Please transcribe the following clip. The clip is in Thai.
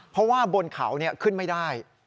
เพราะว่าบนเขาขึ้นไม่ได้